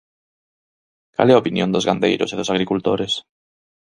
¿Cal é a opinión dos gandeiros e dos agricultores?